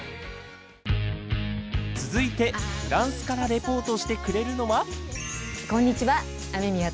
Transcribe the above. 続いて、フランスからレポートしてくれるのは。